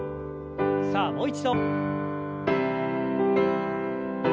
さあもう一度。